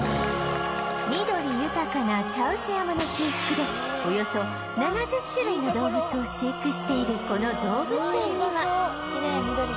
緑豊かな茶臼山の中腹でおよそ７０種類の動物を飼育しているこの動物園には